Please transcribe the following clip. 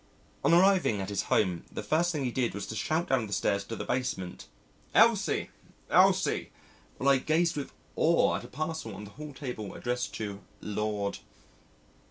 On arriving at his home, the first thing he did was to shout down the stairs to the basement: "Elsie, Elsie," while I gazed with awe at a parcel on the hall table addressed to "Lord